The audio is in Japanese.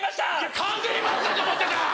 完全にバツだと思ってた！